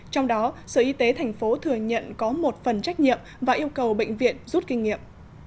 trong đó sở y tế tp thừa nhận có một phần trách nhiệm và yêu cầu bệnh viện rút kinh nghiệm